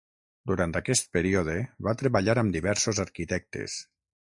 Durant aquest període, va treballar amb diversos arquitectes.